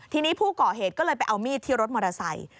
ทีนี้ผู้ก่อเหตุก็เลยไปเอามีดที่รถมอเตอร์ไซค์